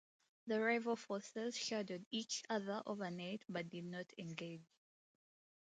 The rival forces shadowed each other overnight, but did not engage.